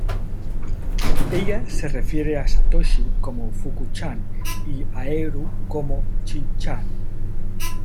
Ella se refiere a Satoshi como "Fuku-chan" y a Eru como "Chi-chan".